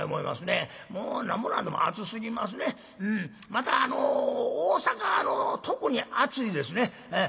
またあの大阪特に暑いですね。